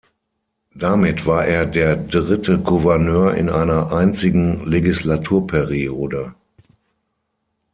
Damit war er der dritte Gouverneur in einer einzigen Legislaturperiode.